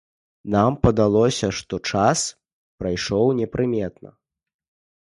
Нам падалося, што час прайшоў непрыметна.